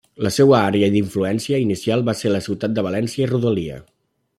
La seua àrea d'influència inicial va ser la Ciutat de València i rodalia.